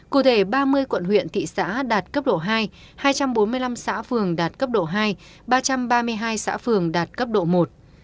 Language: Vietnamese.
cụ thể ba mươi quận huyện thị xã đạt cấp độ hai hai trăm bốn mươi năm xã phường đạt cấp độ hai ba trăm ba mươi hai xã phường đạt cấp độ một